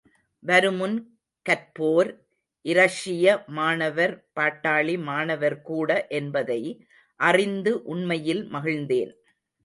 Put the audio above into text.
வருமுன் கற்போர், இரஷிய மாணவர் பாட்டாளி மாணவர்கூட என்பதை அறிந்து உண்மையில் மகிழ்ந்தேன்.